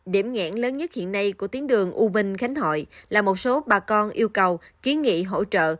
điểm nghẽn lớn nhất hiện nay của tuyến đường u minh khánh hội là một số bà con yêu cầu kiến nghị hỗ trợ